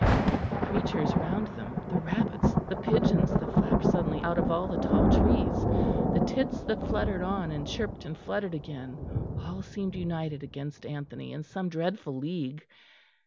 The creatures round them, the rabbits, the pigeons that flapped suddenly out of all the tall trees, the tits that fluttered on and chirped and fluttered again, all seemed united against Anthony in some dreadful league.